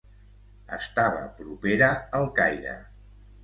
Estava propera al Caire.